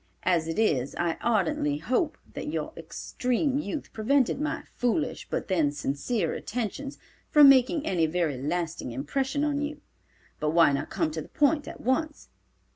As it is I ardently hope that your extreme youth prevented my foolish, but then sincere, attentions from making any very lasting impression on you. But why not come to the point at once.